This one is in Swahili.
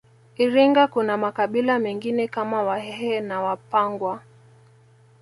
Iringa kuna makabila mengine kama wahehe na wapangwa